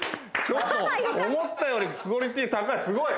ちょっと思ったよりクオリティー高いすごい！